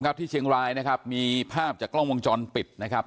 ที่เชียงรายนะครับมีภาพจากกล้องวงจรปิดนะครับ